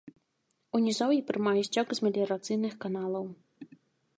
У нізоўі прымае сцёк з меліярацыйных каналаў.